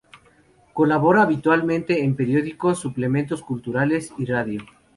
Colabora habitualmente en periódicos, suplementos culturales y radio.